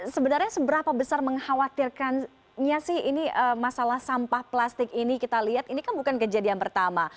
sebenarnya seberapa besar mengkhawatirkannya sih ini masalah sampah plastik ini kita lihat ini kan bukan kejadian pertama